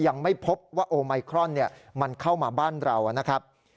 ยังไม่พบว่าโอไมครอนมันเข้ามาบ้านเรานะครับ